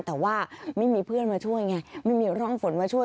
แต่ว่าไม่มีเพื่อนมาช่วยไงไม่มีร่องฝนมาช่วย